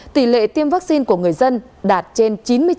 tỷ lệ tiêm vaccine của người dân đạt trên chín mươi chín